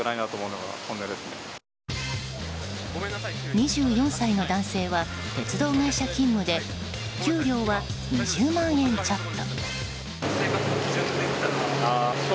２４歳の男性は鉄道会社勤務で給料は２０万円ちょっと。